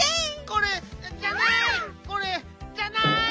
これじゃない。